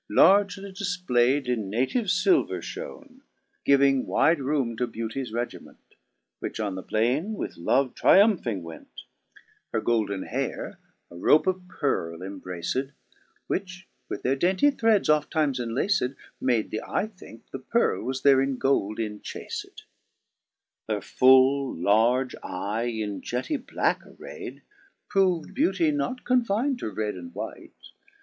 Largely difplay'd in native filver flione. Giving wide room to Beauty's regiment. Which on the plaine with Love tryumphing went ; Digitized by Google a8o BRITTAIN'S IDA. Her golden haire a rope of pearle imbraced. Which, with their dainty threds oft times enlaced. Made the eie think the pearle was there in gold inchafed. 4 Her full large eye, in jetty blacke array 'd, Prov'd beauty not confin'd to red and white.